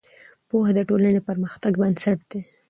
پوهه د ټولنې د پرمختګ بنسټ دی.